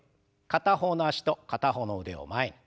片方の脚と片方の腕を前に。